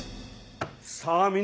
さあ